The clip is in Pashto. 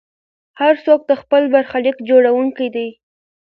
هر څوک د خپل برخلیک جوړونکی دی.